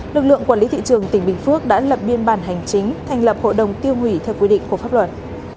lực lượng quản lý thị trường tỉnh bình phước đã lập biên bản hành chính thành lập hội đồng tiêu hủy theo quy định của pháp luật